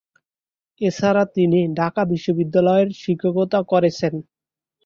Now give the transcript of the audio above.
এছাড়া, তিনি ঢাকা বিশ্ববিদ্যালয়ে শিক্ষকতা করেছেন।